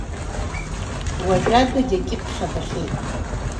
Уажәадагь акьыԥхь абахьеит…